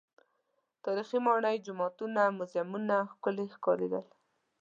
تاریخي ماڼۍ، جوماتونه، موزیمونه ښکلي ښکارېدل.